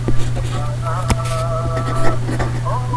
কি ওরকম কি?